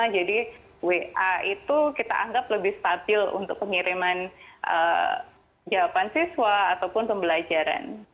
jadi wa itu kita anggap lebih stabil untuk pengiriman jawaban siswa ataupun pembelajaran